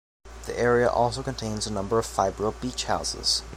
The area also contains a number of fibro beach houses.